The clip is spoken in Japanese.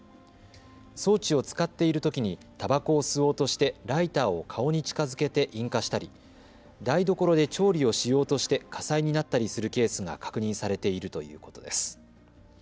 装置を使っているときにたばこを吸おうとしてライターを顔に近づけて引火したり台所で調理をしようとして火災になったりするケースが確認されているということです。